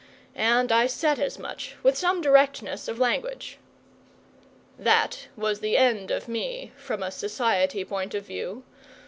And I said as much, with some directness of language. That was the end of me, from a society point of view.